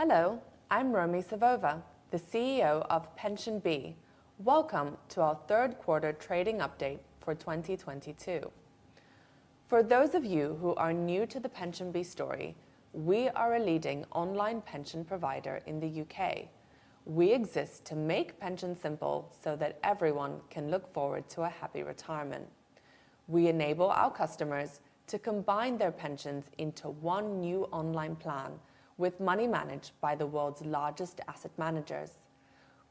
Hello, I'm Romi Savova, the CEO of PensionBee. Welcome to our third quarter trading update for 2022. For those of you who are new to the PensionBee story, we are a leading online pension provider in the U.K. We exist to make pensions simple so that everyone can look forward to a happy retirement. We enable our customers to combine their pensions into one new online plan, with money managed by the world's largest asset managers.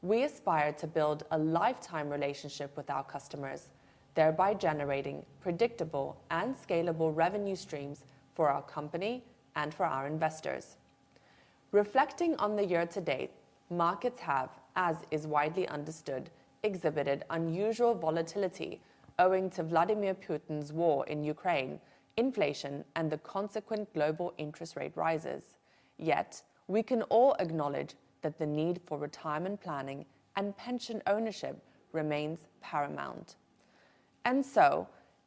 We aspire to build a lifetime relationship with our customers, thereby generating predictable and scalable revenue streams for our company and for our investors. Reflecting on the year to date, markets have, as is widely understood, exhibited unusual volatility owing to Vladimir Putin's war in Ukraine, inflation, and the consequent global interest rate rises. Yet, we can all acknowledge that the need for retirement planning and pension ownership remains paramount.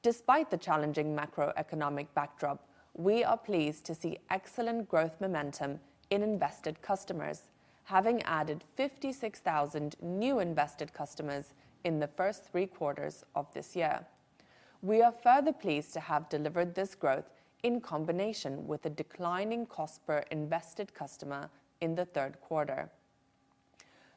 Despite the challenging macroeconomic backdrop, we are pleased to see excellent growth momentum in invested customers, having added 56,000 new invested customers in the first three quarters of this year. We are further pleased to have delivered this growth in combination with a declining cost per invested customer in the third quarter.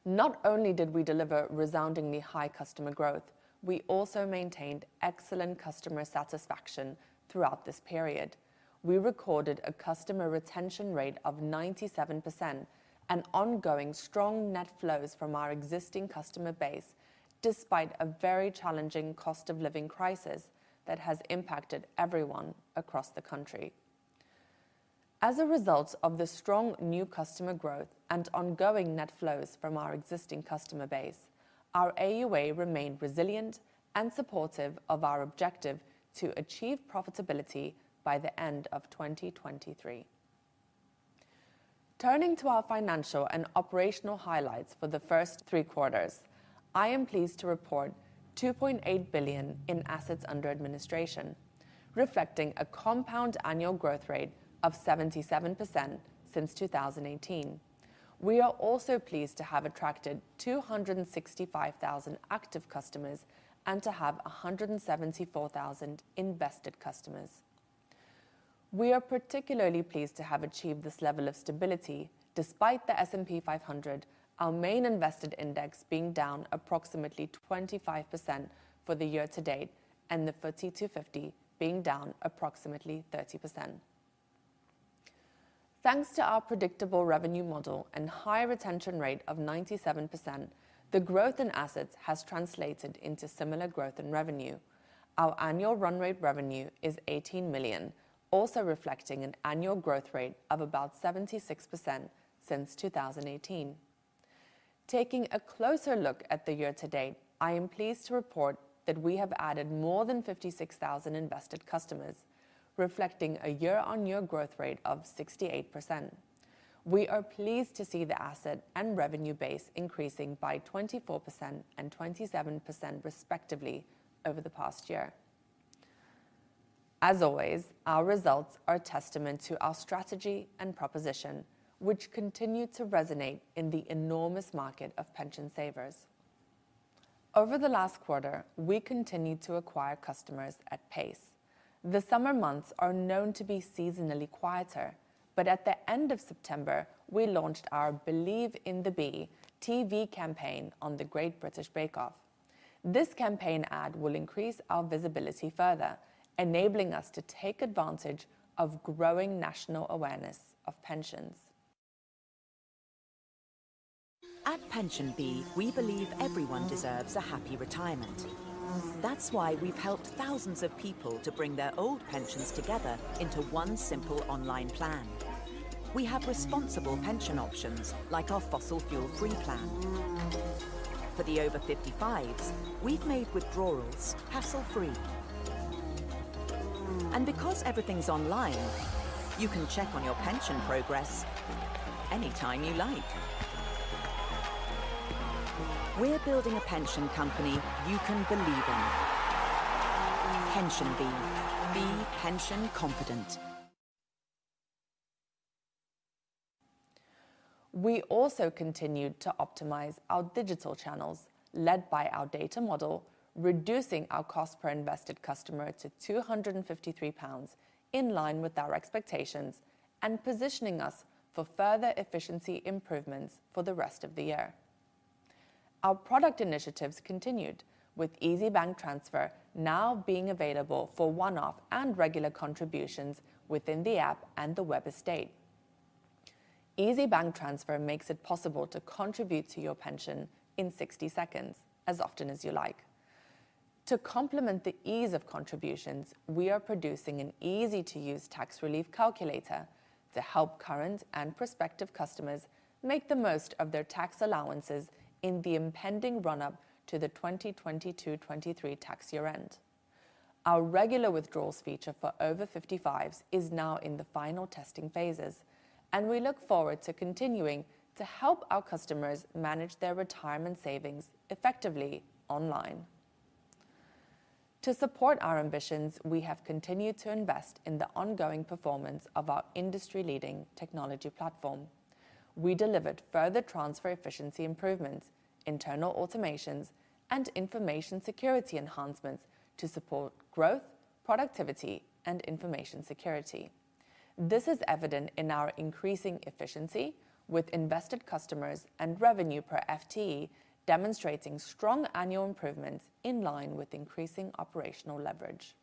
Not only did we deliver resoundingly high customer growth, we also maintained excellent customer satisfaction throughout this period. We recorded a customer retention rate of 97% and ongoing strong net flows from our existing customer base, despite a very challenging cost of living crisis that has impacted everyone across the country. As a result of the strong new customer growth and ongoing net flows from our existing customer base, our AUA remained resilient and supportive of our objective to achieve profitability by the end of 2023. Turning to our financial and operational highlights for the first three quarters, I am pleased to report 2.8 billion in assets under administration, reflecting a compound annual growth rate of 77% since 2018. We are also pleased to have attracted 265,000 active customers and to have 174,000 invested customers. We are particularly pleased to have achieved this level of stability despite the S&P 500, our main invested index, being down approximately 25% for the year to date, and the FTSE 250 being down approximately 30%. Thanks to our predictable revenue model and high retention rate of 97%, the growth in assets has translated into similar growth in revenue. Our annual run rate revenue is 18 million, also reflecting an annual growth rate of about 76% since 2018. Taking a closer look at the year to date, I am pleased to report that we have added more than 56,000 invested customers, reflecting a year-on-year growth rate of 68%. We are pleased to see the asset and revenue base increasing by 24% and 27% respectively over the past year. As always, our results are a testament to our strategy and proposition, which continue to resonate in the enormous market of pension savers. Over the last quarter, we continued to acquire customers at pace. The summer months are known to be seasonally quieter, but at the end of September, we launched our Believe in the Bee TV campaign on The Great British Bake Off. This campaign ad will increase our visibility further, enabling us to take advantage of growing national awareness of pensions. At PensionBee, we believe everyone deserves a happy retirement. That's why we've helped thousands of people to bring their old pensions together into one simple online plan. We have responsible pension options, like our Fossil Fuel Free Plan. For the over 55s, we've made withdrawals hassle-free. Because everything's online, you can check on your pension progress anytime you like. We're building a pension company you can believe in. PensionBee, be pension confident. We also continued to optimize our digital channels, led by our data model, reducing our cost per invested customer to 253 pounds, in line with our expectations, and positioning us for further efficiency improvements for the rest of the year. Our product initiatives continued, with Easy Bank Transfer now being available for one-off and regular contributions within the app and the web estate. Easy Bank Transfer makes it possible to contribute to your pension in 60 seconds, as often as you like. To complement the ease of contributions, we are producing an easy-to-use tax relief calculator to help current and prospective customers make the most of their tax allowances in the impending run-up to the 2022-2023 tax year end. Our regular withdrawals feature for over 55s is now in the final testing phases, and we look forward to continuing to help our customers manage their retirement savings effectively online. To support our ambitions, we have continued to invest in the ongoing performance of our industry-leading technology platform. We delivered further transfer efficiency improvements, internal automations, and information security enhancements to support growth, productivity, and information security. This is evident in our increasing efficiency with invested customers and revenue per FTE demonstrating strong annual improvements in line with increasing operational leverage.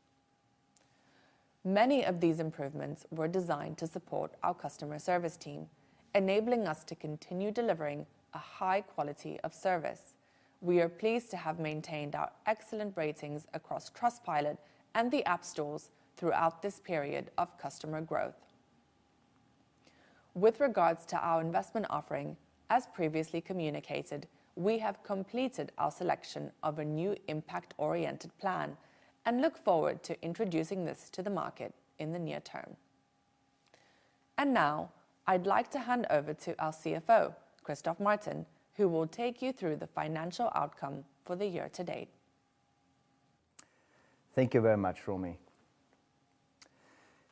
Many of these improvements were designed to support our customer service team, enabling us to continue delivering a high quality of service. We are pleased to have maintained our excellent ratings across Trustpilot and the app stores throughout this period of customer growth. With regards to our investment offering, as previously communicated, we have completed our selection of a new impact-oriented plan and look forward to introducing this to the market in the near term. Now I'd like to hand over to our CFO, Christoph Martin, who will take you through the financial outcome for the year to date. Thank you very much, Romi.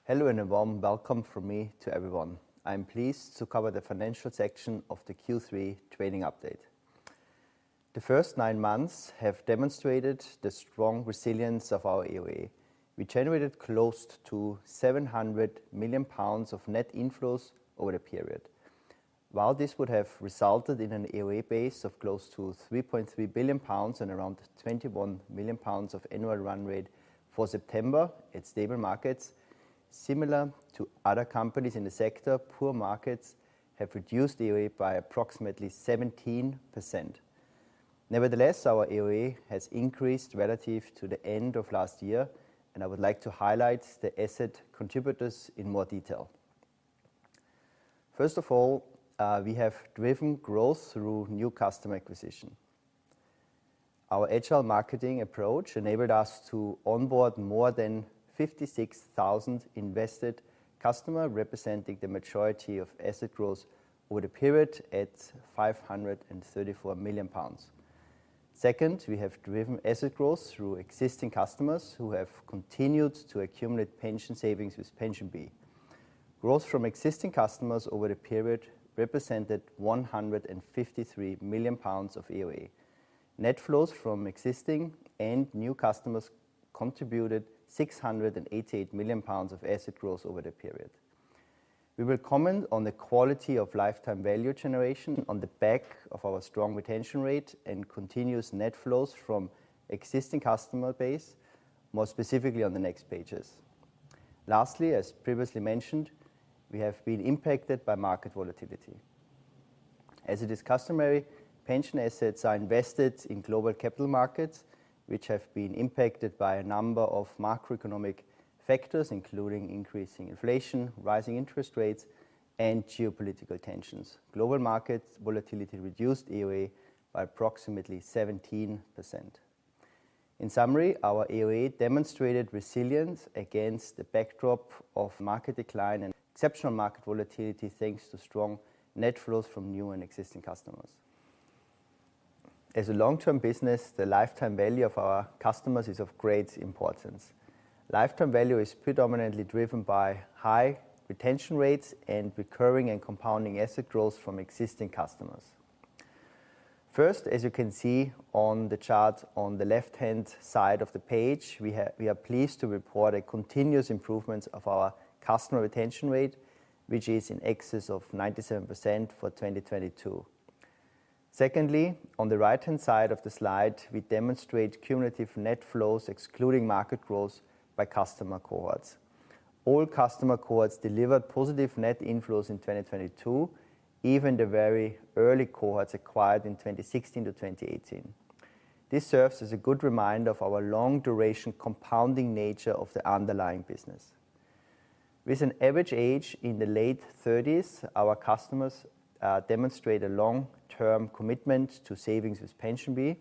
Hello and a warm welcome from me to everyone. I'm pleased to cover the financial section of the Q3 trading update. The first nine months have demonstrated the strong resilience of our AUA. We generated close to 700 million pounds of net inflows over the period. While this would have resulted in an AUA base of close to 3.3 billion pounds and around 21 million pounds of annual run rate for September at stable markets, similar to other companies in the sector, poor markets have reduced AUA by approximately 17%. Nevertheless, our AUA has increased relative to the end of last year, and I would like to highlight the asset contributors in more detail. First of all, we have driven growth through new customer acquisition. Our agile marketing approach enabled us to onboard more than 56,000 invested customer, representing the majority of asset growth over the period at 534 million pounds. Second, we have driven asset growth through existing customers who have continued to accumulate pension savings with PensionBee. Growth from existing customers over the period represented 153 million pounds of AUA. Net flows from existing and new customers contributed 688 million pounds of asset growth over the period. We will comment on the quality of lifetime value generation on the back of our strong retention rate and continuous net flows from existing customer base, more specifically on the next pages. Lastly, as previously mentioned, we have been impacted by market volatility. As it is customary, pension assets are invested in global capital markets, which have been impacted by a number of macroeconomic factors, including increasing inflation, rising interest rates, and geopolitical tensions. Global markets volatility reduced AUA by approximately 17%. In summary, our AUA demonstrated resilience against the backdrop of market decline and exceptional market volatility, thanks to strong net flows from new and existing customers. As a long-term business, the lifetime value of our customers is of great importance. Lifetime value is predominantly driven by high retention rates and recurring and compounding asset growth from existing customers. First, as you can see on the chart on the left-hand side of the page, we are pleased to report a continuous improvement of our customer retention rate, which is in excess of 97% for 2022. Secondly, on the right-hand side of the slide, we demonstrate cumulative net flows excluding market growth by customer cohorts. All customer cohorts delivered positive net inflows in 2022, even the very early cohorts acquired in 2016 to 2018. This serves as a good reminder of our long duration compounding nature of the underlying business. With an average age in the late 30s, our customers demonstrate a long-term commitment to savings with PensionBee,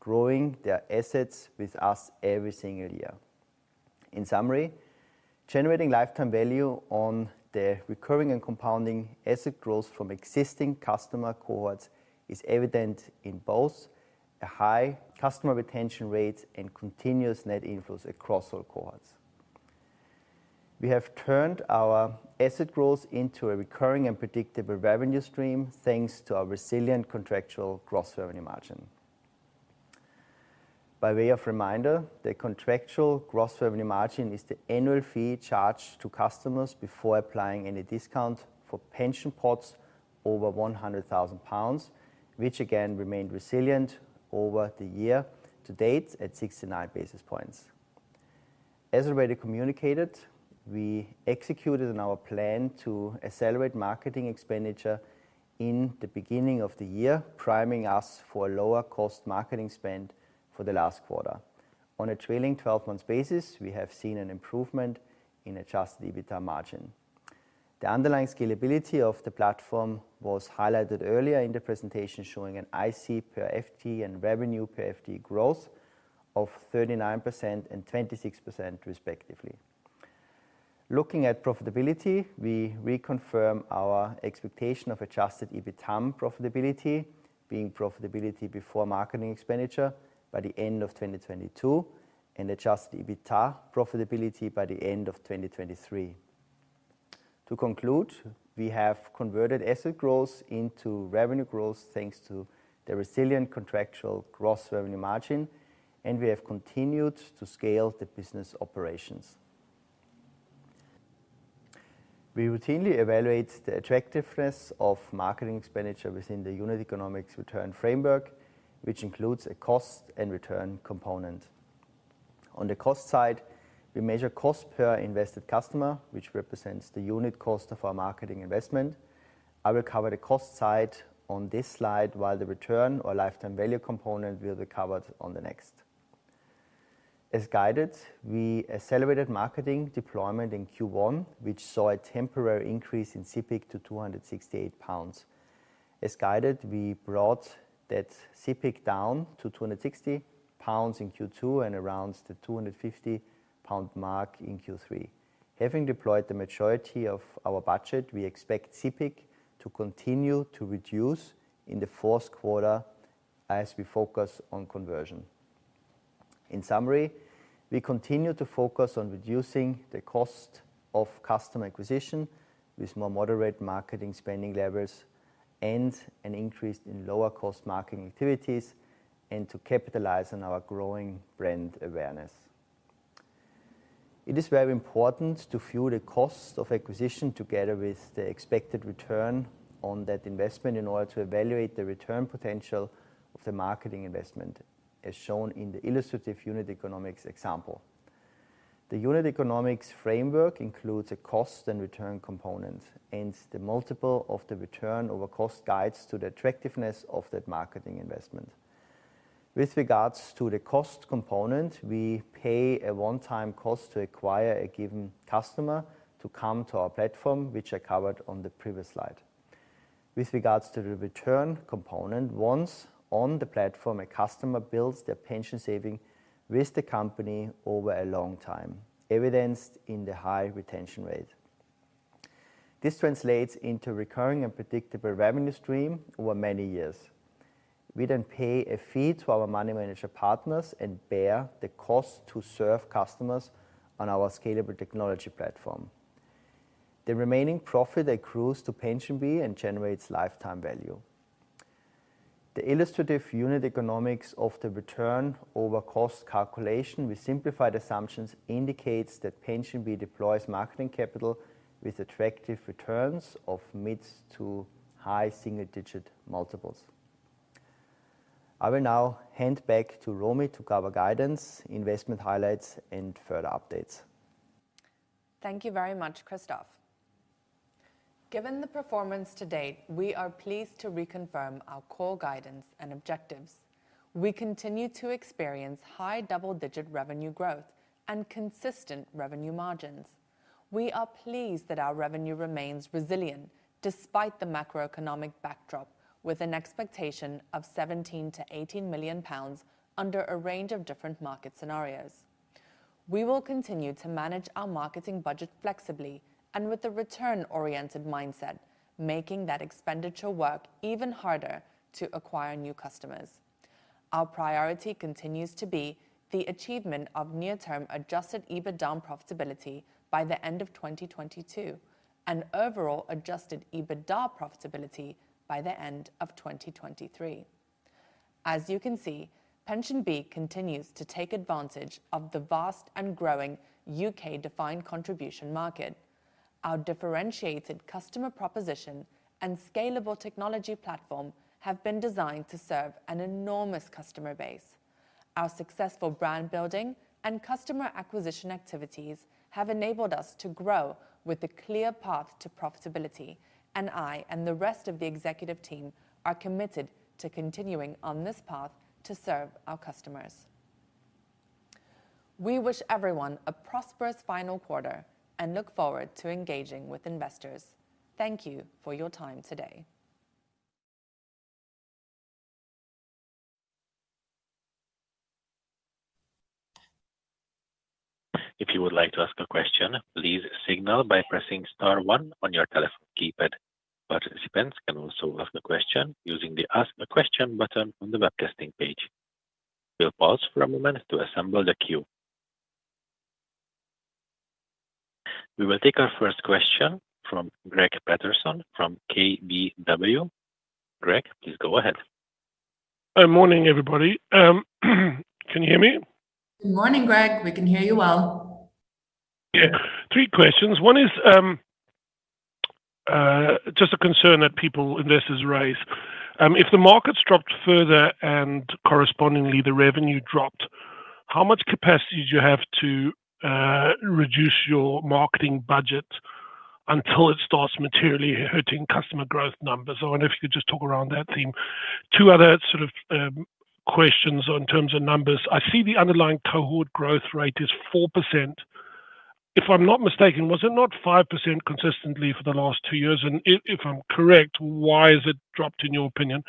growing their assets with us every single year. In summary, generating lifetime value on the recurring and compounding asset growth from existing customer cohorts is evident in both a high customer retention rate and continuous net inflows across all cohorts. We have turned our asset growth into a recurring and predictable revenue stream, thanks to our resilient contractual gross revenue margin. By way of reminder, the contractual gross revenue margin is the annual fee charged to customers before applying any discount for pension pots over 100,000 pounds, which again remained resilient over the year to date at 69 basis points. As already communicated, we executed on our plan to accelerate marketing expenditure in the beginning of the year, priming us for a lower cost marketing spend for the last quarter. On a trailing twelve months basis, we have seen an improvement in adjusted EBITDA margin. The underlying scalability of the platform was highlighted earlier in the presentation, showing an IC per FTE and revenue per FTE growth of 39% and 26% respectively. Looking at profitability, we reconfirm our expectation of adjusted EBITDA profitability, being profitability before marketing expenditure by the end of 2022 and adjusted EBITDA profitability by the end of 2023. To conclude, we have converted asset growth into revenue growth thanks to the resilient contractual gross revenue margin, and we have continued to scale the business operations. We routinely evaluate the attractiveness of marketing expenditure within the unit economics return framework, which includes a cost and return component. On the cost side, we measure cost per invested customer, which represents the unit cost of our marketing investment. I will cover the cost side on this slide while the return or lifetime value component will be covered on the next. As guided, we accelerated marketing deployment in Q1, which saw a temporary increase in CPIC to 268 pounds. As guided, we brought that CPIC down to 260 pounds in Q2 and around the 250 pound mark in Q3. Having deployed the majority of our budget, we expect CPIC to continue to reduce in the fourth quarter as we focus on conversion. In summary, we continue to focus on reducing the cost of customer acquisition with more moderate marketing spending levels and an increase in lower cost marketing activities and to capitalize on our growing brand awareness. It is very important to view the cost of acquisition together with the expected return on that investment in order to evaluate the return potential of the marketing investment, as shown in the illustrative unit economics example. The unit economics framework includes a cost and return component, and the multiple of the return over cost guides to the attractiveness of that marketing investment. With regards to the cost component, we pay a one-time cost to acquire a given customer to come to our platform, which I covered on the previous slide. With regards to the return component, once on the platform, a customer builds their pension saving with the company over a long time, evidenced in the high retention rate. This translates into recurring and predictable revenue stream over many years. We then pay a fee to our money manager partners and bear the cost to serve customers on our scalable technology platform. The remaining profit accrues to PensionBee and generates lifetime value. The illustrative unit economics of the return over cost calculation with simplified assumptions indicates that PensionBee deploys marketing capital with attractive returns of mid to high single-digit multiples. I will now hand back to Romy to cover guidance, investment highlights and further updates. Thank you very much, Christoph. Given the performance to date, we are pleased to reconfirm our core guidance and objectives. We continue to experience high double-digit revenue growth and consistent revenue margins. We are pleased that our revenue remains resilient despite the macroeconomic backdrop with an expectation of 17 million-18 million pounds under a range of different market scenarios. We will continue to manage our marketing budget flexibly and with the return-oriented mindset, making that expenditure work even harder to acquire new customers. Our priority continues to be the achievement of near-term adjusted EBITDA profitability by the end of 2022 and overall adjusted EBITDA profitability by the end of 2023. As you can see, PensionBee continues to take advantage of the vast and growing U.K. defined contribution market. Our differentiated customer proposition and scalable technology platform have been designed to serve an enormous customer base. Our successful brand building and customer acquisition activities have enabled us to grow with a clear path to profitability. I and the rest of the executive team are committed to continuing on this path to serve our customers. We wish everyone a prosperous final quarter and look forward to engaging with investors. Thank you for your time today. If you would like to ask a question, please signal by pressing star one on your telephone keypad. Participants can also ask a question using the Ask a question button on the webcasting page. We'll pause for a moment to assemble the queue. We will take our first question from Greg Paterson from KBW. Greg, please go ahead. Morning, everybody. Can you hear me? Good morning, Greg. We can hear you well. Yeah. Three questions. One is just a concern that people, investors raise. If the market dropped further and correspondingly the revenue dropped, how much capacity do you have to reduce your marketing budget until it starts materially hurting customer growth numbers? I wonder if you could just talk around that theme. Two other sort of questions in terms of numbers. I see the underlying cohort growth rate is 4%. If I'm not mistaken, was it not 5% consistently for the last two years? If I'm correct, why has it dropped, in your opinion?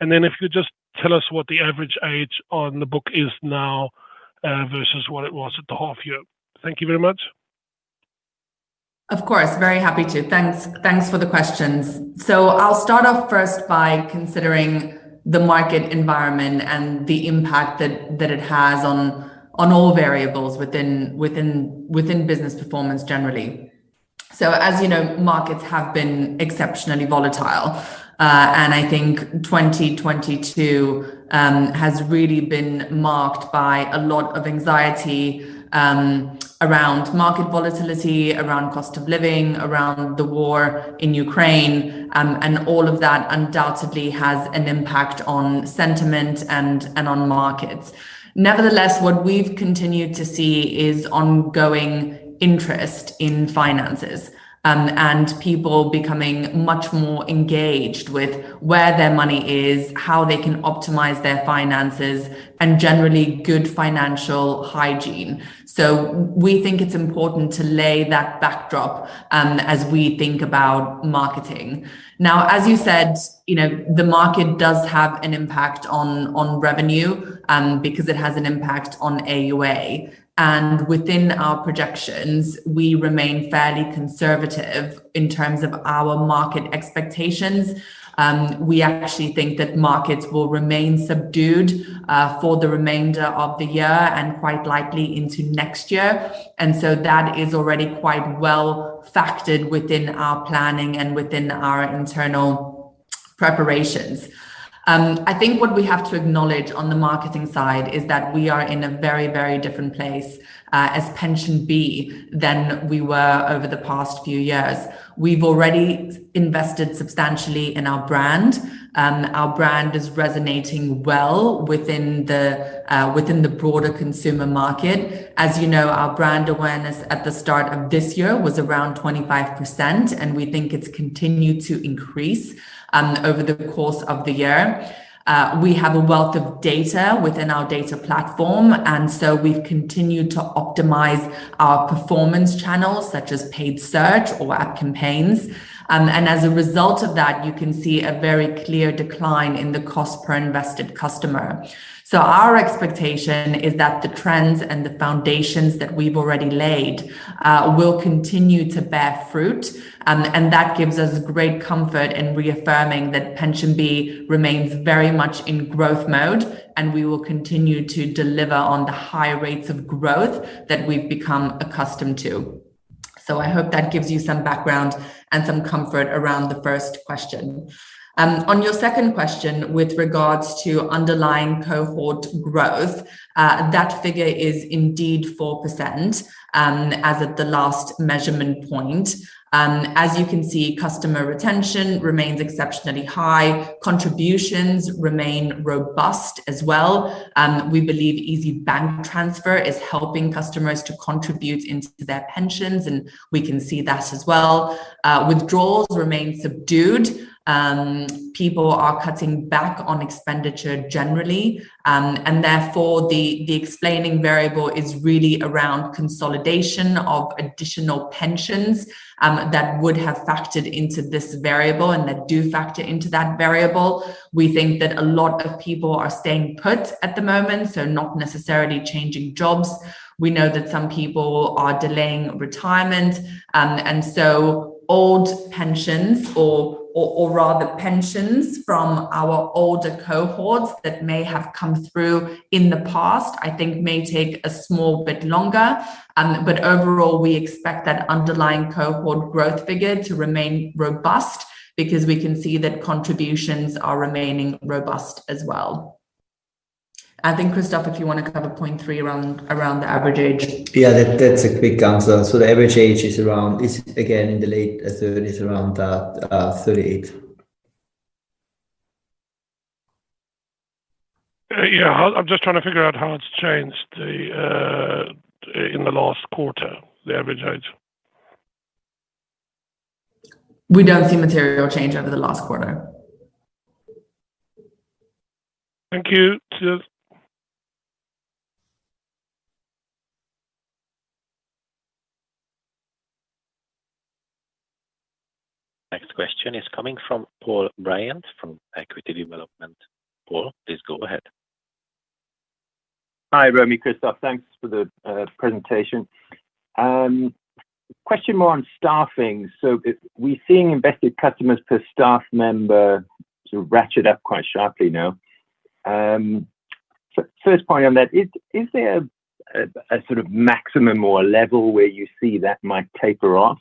If you could just tell us what the average age on the book is now versus what it was at the half year. Thank you very much. Of course. Very happy to. Thanks. Thanks for the questions. I'll start off first by considering the market environment and the impact that it has on all variables within business performance generally. As you know, markets have been exceptionally volatile. I think 2022 has really been marked by a lot of anxiety around market volatility, around cost of living, around the war in Ukraine. All of that undoubtedly has an impact on sentiment and on markets. Nevertheless, what we've continued to see is ongoing interest in finances and people becoming much more engaged with where their money is, how they can optimize their finances, and generally good financial hygiene. We think it's important to lay that backdrop as we think about marketing. Now, as you said, the market does have an impact on revenue, because it has an impact on AUA. Within our projections, we remain fairly conservative in terms of our market expectations. We actually think that markets will remain subdued for the remainder of the year and quite likely into next year. That is already quite well factored within our planning and within our internal preparations. I think what we have to acknowledge on the marketing side is that we are in a very, very different place as PensionBee than we were over the past few years. We've already invested substantially in our brand. Our brand is resonating well within the broader consumer market. As you know, our brand awareness at the start of this year was around 25%, and we think it's continued to increase over the course of the year. We have a wealth of data within our data platform, and so we've continued to optimize our performance channels such as paid search or ad campaigns. As a result of that, you can see a very clear decline in the cost per invested customer. Our expectation is that the trends and the foundations that we've already laid will continue to bear fruit. That gives us great comfort in reaffirming that PensionBee remains very much in growth mode, and we will continue to deliver on the high rates of growth that we've become accustomed to. I hope that gives you some background and some comfort around the first question. On your second question with regards to underlying cohort growth, that figure is indeed 4%, as at the last measurement point. As you can see, customer retention remains exceptionally high. Contributions remain robust as well. We believe Easy Bank Transfer is helping customers to contribute into their pensions, and we can see that as well. Withdrawals remain subdued. People are cutting back on expenditure generally. Therefore the explaining variable is really around consolidation of additional pensions, that would have factored into this variable and that do factor into that variable. We think that a lot of people are staying put at the moment, so not necessarily changing jobs. We know that some people are delaying retirement. Old pensions or rather pensions from our older cohorts that may have come through in the past, I think may take a small bit longer. Overall, we expect that underlying cohort growth figure to remain robust because we can see that contributions are remaining robust as well. I think, Christoph, if you want to cover point three around the average age. Yeah. That's a quick answer. The average age is again in the late thirties, around 38. I'm just trying to figure out how it's changed in the last quarter, the average age. We don't see material change over the last quarter. Thank you. Cheers. Next question is coming from Paul Bryant from Equity Development. Paul, please go ahead. Hi, Romi, Christoph, thanks for the presentation. Question more on staffing. We're seeing invested customers per staff member sort of ratchet up quite sharply now. First point on that, is there a sort of maximum or a level where you see that might taper off?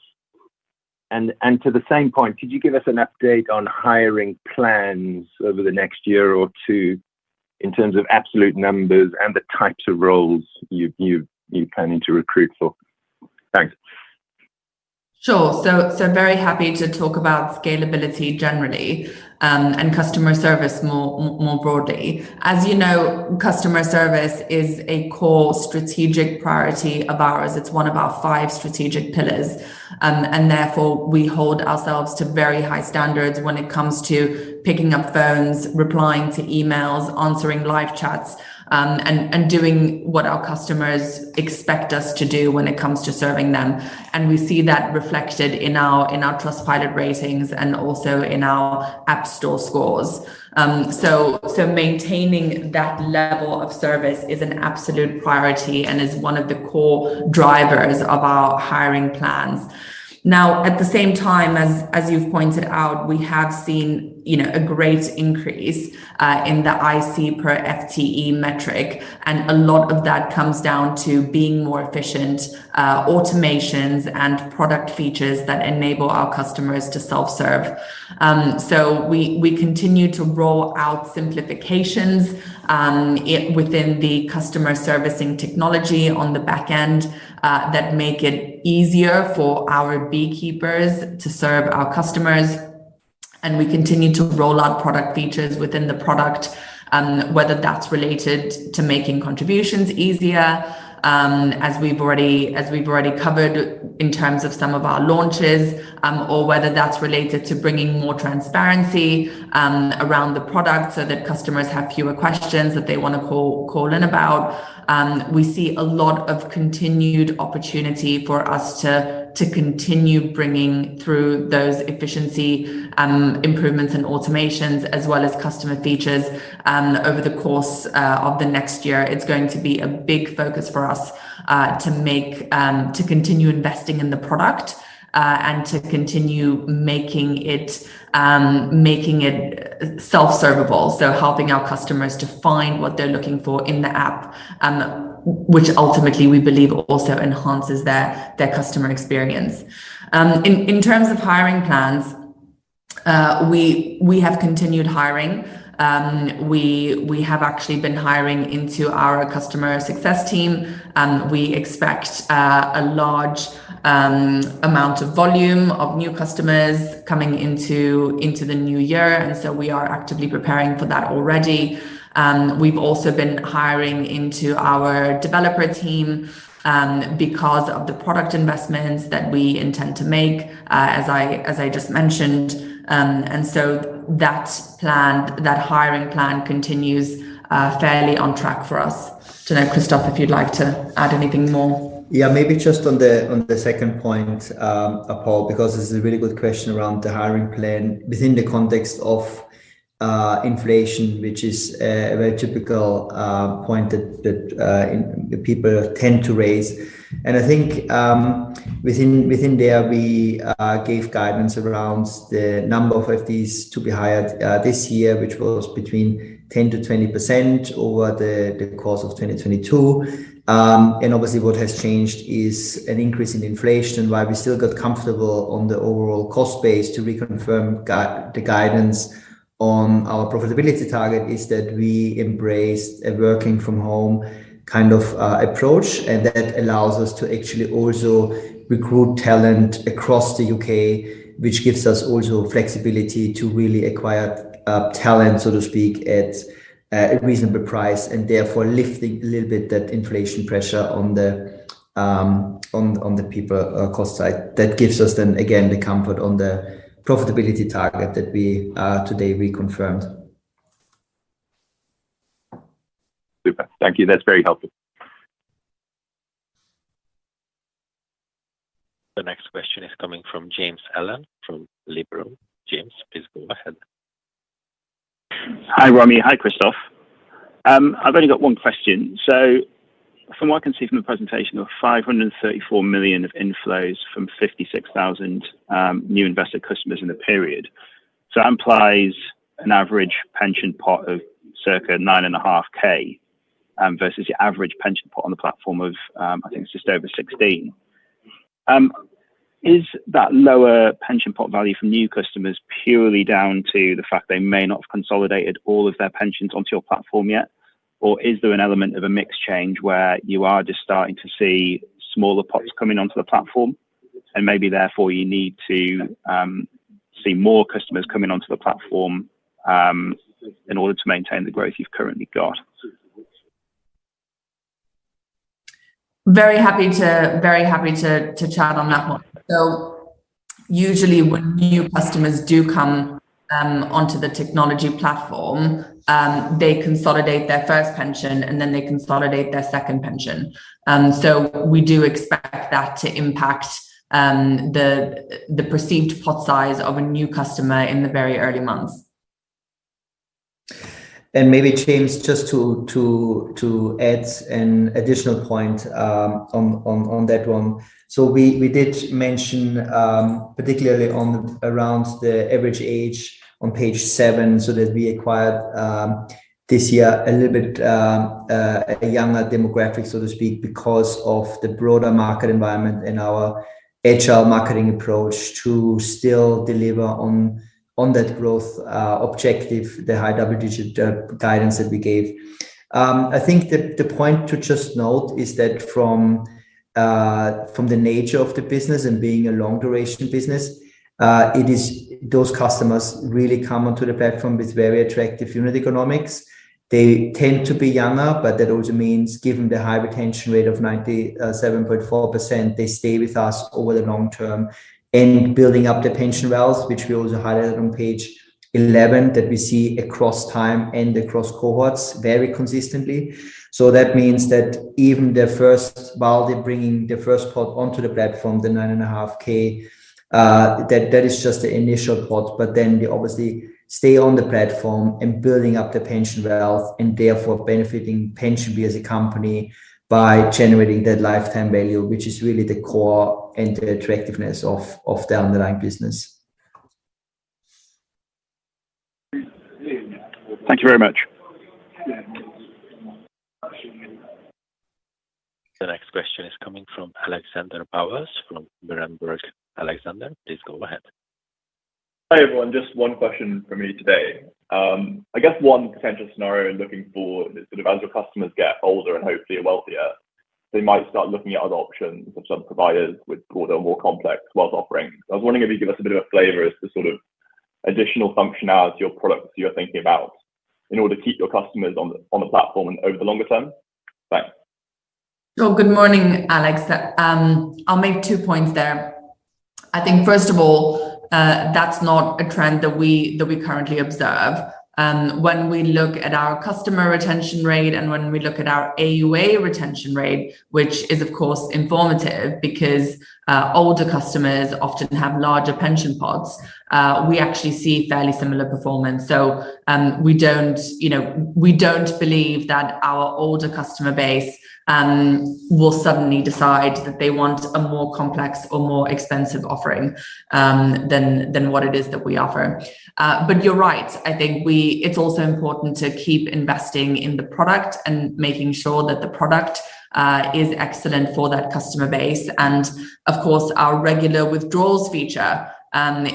To the same point, could you give us an update on hiring plans over the next year or two in terms of absolute numbers and the types of roles you're planning to recruit for? Thanks. Sure. Very happy to talk about scalability generally, and customer service more broadly. As you know, customer service is a core strategic priority of ours. It's one of our five strategic pillars. Therefore we hold ourselves to very high standards when it comes to picking up phones, replying to emails, answering live chats, and doing what our customers expect us to do when it comes to serving them. We see that reflected in our Trustpilot ratings and also in our app store scores. Maintaining that level of service is an absolute priority and is one of the core drivers of our hiring plans. Now, at the same time as you've pointed out, we have seen, you know, a great increase in the IC per FTE metric, and a lot of that comes down to being more efficient, automations and product features that enable our customers to self-serve. So we continue to roll out simplifications within the customer servicing technology on the back end that make it easier for our beekeepers to serve our customers, and we continue to roll out product features within the product, whether that's related to making contributions easier, as we've already covered in terms of some of our launches, or whether that's related to bringing more transparency around the product so that customers have fewer questions that they wanna call in about. We see a lot of continued opportunity for us to continue bringing through those efficiency improvements and automations as well as customer features over the course of the next year. It's going to be a big focus for us to continue investing in the product and to continue making it self-servable, so helping our customers to find what they're looking for in the app, which ultimately we believe also enhances their customer experience. In terms of hiring plans, we have continued hiring. We have actually been hiring into our customer success team. We expect a large amount of volume of new customers coming into the new year, and so we are actively preparing for that already. We've also been hiring into our developer team, because of the product investments that we intend to make, as I just mentioned. That plan, that hiring plan continues, fairly on track for us. Don't know, Christoph, if you'd like to add anything more. Yeah. Maybe just on the second point, Paul, because this is a really good question around the hiring plan within the context of inflation, which is a very typical point that the people tend to raise. I think within there, we gave guidance around the number of FTEs to be hired this year, which was between 10%-20% over the course of 2022. Obviously what has changed is an increase in inflation. Why we still got comfortable on the overall cost base to reconfirm the guidance on our profitability target is that we embraced a working from home kind of approach, and that allows us to actually also recruit talent across the U.K, which gives us also flexibility to really acquire talent, so to speak, at a reasonable price and therefore lifting a little bit that inflation pressure on the people cost side. That gives us then again the comfort on the profitability target that we today reconfirmed. Super. Thank you. That's very helpful. The next question is coming from James Allen from Liberum. James, please go ahead. Hi, Romi. Hi, Christoph. I've only got one question. From what I can see from the presentation of 534 million of inflows from 56,000 new investor customers in the period. That implies an average pension pot of circa 9.5K versus your average pension pot on the platform of, I think it's just over 16K. Is that lower pension pot value from new customers purely down to the fact they may not have consolidated all of their pensions onto your platform yet? Or is there an element of a mix change where you are just starting to see smaller pots coming onto the platform and maybe therefore you need to see more customers coming onto the platform in order to maintain the growth you've currently got? Very happy to chat on that one. Usually when new customers do come onto the technology platform, they consolidate their first pension and then they consolidate their second pension. We do expect that to impact the perceived pot size of a new customer in the very early months. Maybe, James, just to add an additional point on that one. We did mention particularly around the average age on page seven, so that we acquired this year a little bit a younger demographic, so to speak, because of the broader market environment and our marketing approach to still deliver on that growth objective, the high double-digit guidance that we gave. I think the point to just note is that from the nature of the business and being a long duration business, it is those customers really come onto the platform with very attractive unit economics. They tend to be younger, but that also means given the high retention rate of 97.4%, they stay with us over the long term and building up their pension wealth, which we also highlighted on page 11 that we see across time and across cohorts very consistently. That means that even while they're bringing the first pot onto the platform, the 9.5K, that is just the initial pot. But then they obviously stay on the platform and building up the pension wealth and therefore benefiting PensionBee as a company by generating that lifetime value, which is really the core and the attractiveness of the underlying business. Thank you very much. The next question is coming from Alexander Bowers from Berenberg. Alexander, please go ahead. Hi, everyone. Just one question from me today. I guess one potential scenario looking forward is sort of as your customers get older and hopefully wealthier, they might start looking at other options of some providers with broader, more complex wealth offerings. I was wondering if you could give us a bit of a flavor as to sort of additional functionality or products you are thinking about in order to keep your customers on the platform and over the longer term. Thanks. Oh, good morning, Alex. I'll make two points there. I think first of all, that's not a trend that we currently observe. When we look at our customer retention rate and when we look at our AUA retention rate, which is of course informative because older customers often have larger pension pots, we actually see fairly similar performance. We don't, you know, we don't believe that our older customer base will suddenly decide that they want a more complex or more expensive offering than what it is that we offer. You're right. It's also important to keep investing in the product and making sure that the product is excellent for that customer base. Of course, our regular withdrawals feature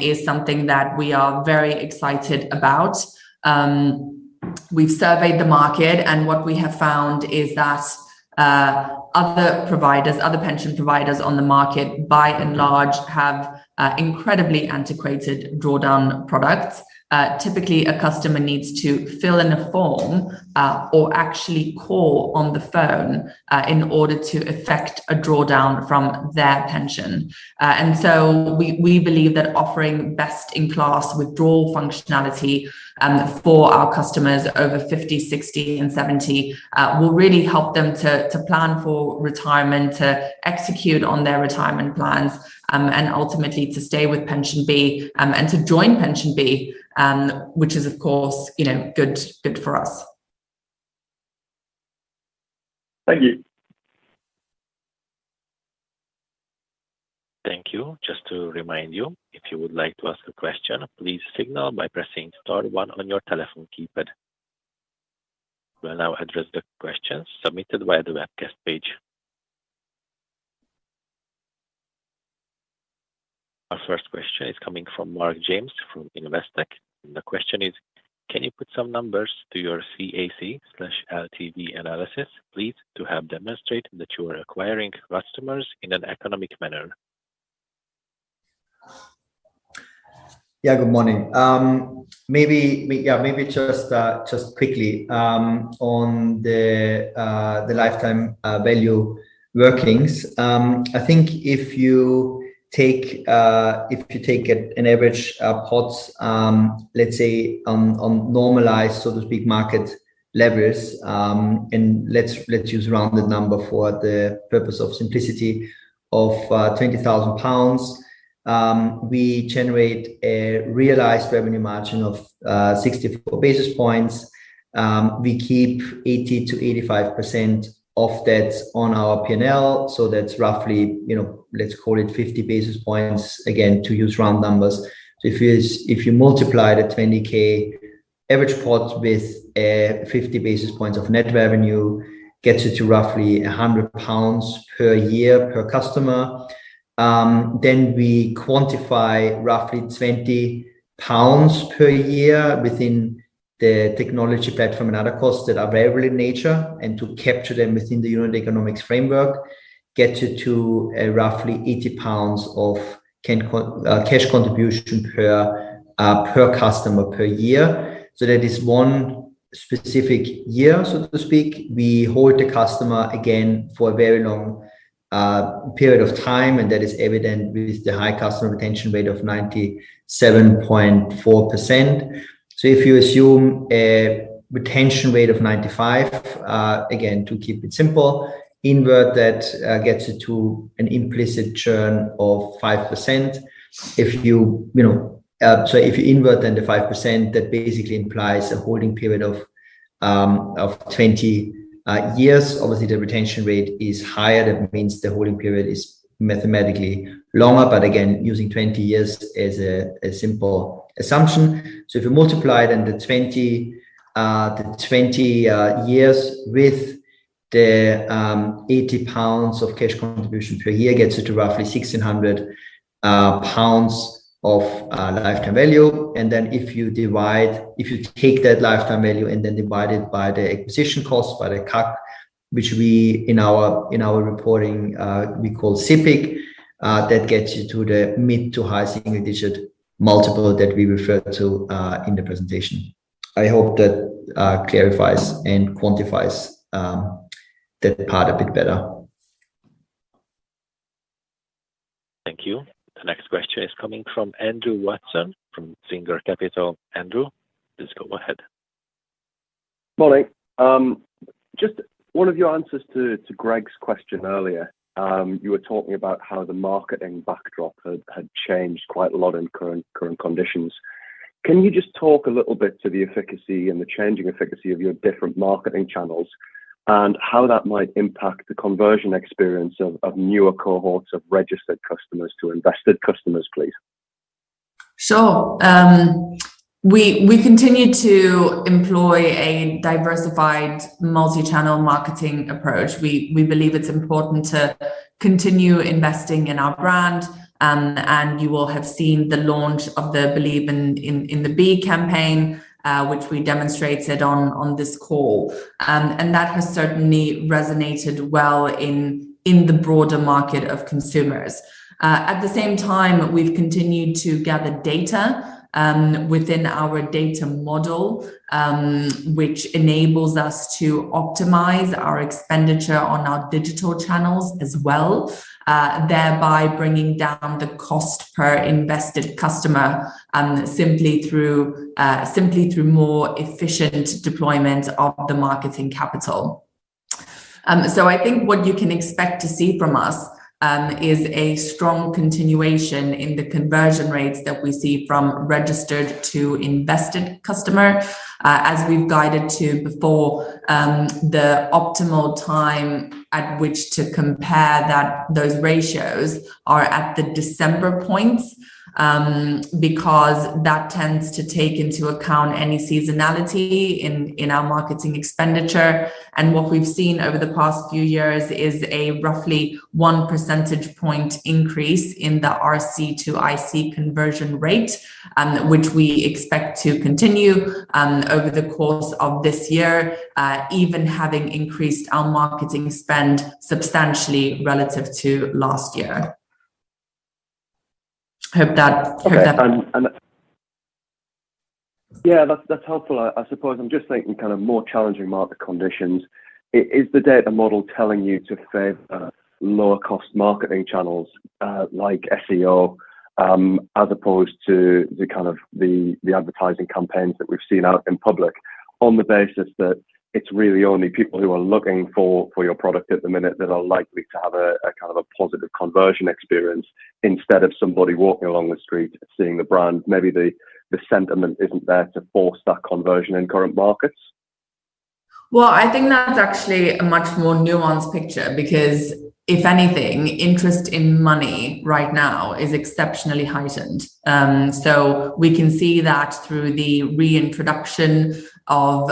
is something that we are very excited about. We've surveyed the market, and what we have found is that other providers, other pension providers on the market, by and large, have incredibly antiquated drawdown products. Typically, a customer needs to fill in a form or actually call on the phone in order to effect a drawdown from their pension. We believe that offering best-in-class withdrawal functionality for our customers over 50, 60, and 70 will really help them to plan for retirement, to execute on their retirement plans, and ultimately to stay with PensionBee and to join PensionBee, which is of course, you know, good for us. Thank you. Thank you. Just to remind you, if you would like to ask a question, please signal by pressing star one on your telephone keypad. We'll now address the questions submitted via the webcast page. Our first question is coming from Mark James from Investec. The question is: Can you put some numbers to your CAC/LTV analysis, please, to help demonstrate that you are acquiring customers in an economic manner? Yeah. Good morning. Maybe just quickly on the lifetime value workings. I think if you take an average pot, let's say on normalized, so to speak, market levels, and let's use rounded number for the purpose of simplicity of 20,000 pounds. We generate a realized revenue margin of 64 basis points. We keep 80%-85% of that on our P&L. That's roughly, you know, let's call it 50 basis points again, to use round numbers. If you multiply the 20,000 average pot with a 50 basis points of net revenue, gets you to roughly 100 pounds per year per customer. We quantify roughly 20 pounds per year within the technology platform and other costs that are variable in nature and to capture them within the unit economics framework, gets you to roughly 80 pounds of cash contribution per customer per year. That is one specific year, so to speak. We hold the customer again for a very long period of time, and that is evident with the high customer retention rate of 97.4%. If you assume a retention rate of 95, again, to keep it simple, invert that, gets you to an implicit churn of 5%. You know, if you invert then the 5%, that basically implies a holding period of 20 years. Obviously, the retention rate is higher. That means the holding period is mathematically longer, but again, using 20 years as a simple assumption. If you multiply the 20 years with the 80 pounds of cash contribution per year gets you to roughly 1,600 pounds of lifetime value. If you take that lifetime value and then divide it by the acquisition costs, by the CAC, which we in our reporting we call CPIC, that gets you to the mid- to high-single-digit multiple that we refer to in the presentation. I hope that clarifies and quantifies that part a bit better. Thank you. The next question is coming from Andrew Watson from Singer Capital Markets. Andrew, please go ahead. Morning. Just one of your answers to Greg's question earlier, you were talking about how the marketing backdrop had changed quite a lot in current conditions. Can you just talk a little bit to the efficacy and the changing efficacy of your different marketing channels and how that might impact the conversion experience of newer cohorts of registered customers to invested customers, please? Sure. We continue to employ a diversified multi-channel marketing approach. We believe it's important to continue investing in our brand. You will have seen the launch of the Believe in the Bee campaign, which we demonstrated on this call. That has certainly resonated well in the broader market of consumers. At the same time, we've continued to gather data within our data model, which enables us to optimize our expenditure on our digital channels as well, thereby bringing down the cost per invested customer, simply through more efficient deployment of the marketing capital. I think what you can expect to see from us is a strong continuation in the conversion rates that we see from registered to invested customer. As we've guided to before, the optimal time at which to compare those ratios are at the December points, because that tends to take into account any seasonality in our marketing expenditure. What we've seen over the past few years is a roughly one percentage point increase in the RC to IC conversion rate, which we expect to continue over the course of this year, even having increased our marketing spend substantially relative to last year. Hope that. Okay. Yeah. That's helpful. I suppose I'm just thinking kind of more challenging market conditions. Is the data model telling you to favor lower cost marketing channels, like SEO, as opposed to the kind of advertising campaigns that we've seen out in public on the basis that it's really only people who are looking for your product at the minute that are likely to have a kind of positive conversion experience instead of somebody walking along the street seeing the brand, maybe the sentiment isn't there to force that conversion in current markets? Well, I think that's actually a much more nuanced picture because if anything, interest in money right now is exceptionally heightened. So we can see that through the reintroduction of,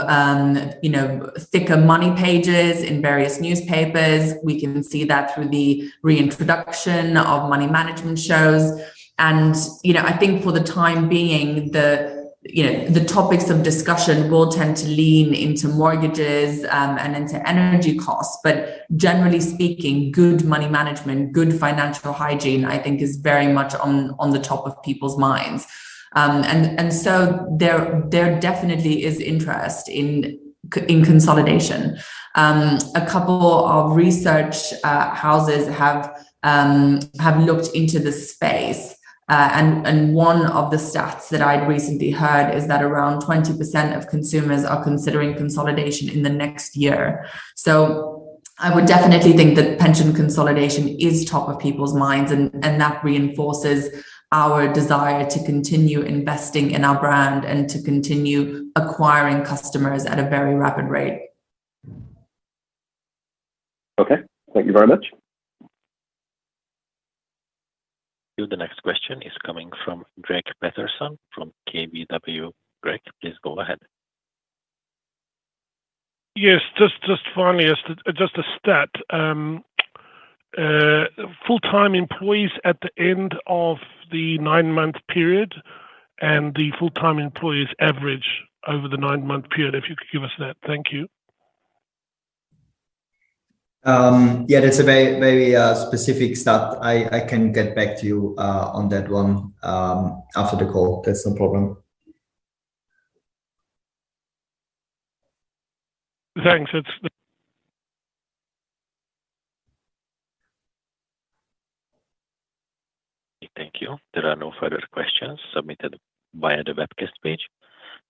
you know, thicker money pages in various newspapers. We can see that through the reintroduction of money management shows. You know, I think for the time being the, you know, the topics of discussion will tend to lean into mortgages and into energy costs. But generally speaking, good money management, good financial hygiene, I think is very much on the top of people's minds. And so there definitely is interest in consolidation. A couple of research houses have looked into the space. One of the stats that I'd recently heard is that around 20% of consumers are considering consolidation in the next year. I would definitely think that pension consolidation is top of people's minds and that reinforces our desire to continue investing in our brand and to continue acquiring customers at a very rapid rate. Okay. Thank you very much. The next question is coming from Greg Patterson from KBW. Greg, please go ahead. Yes. Just finally, just a stat. Full-time employees at the end of the nine-month period and the full-time employees average over the nine-month period, if you could give us that. Thank you. Yeah, that's a very specific stat. I can get back to you on that one after the call. That's no problem. Thanks. Thank you. There are no further questions submitted via the webcast page.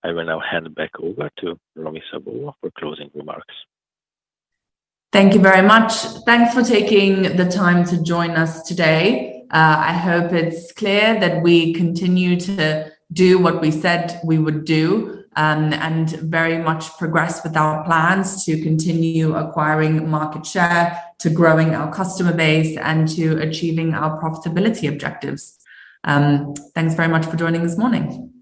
I will now hand back over to Romi Savova for closing remarks. Thank you very much. Thanks for taking the time to join us today. I hope it's clear that we continue to do what we said we would do, and very much progress with our plans to continue acquiring market share, to growing our customer base, and to achieving our profitability objectives. Thanks very much for joining this morning.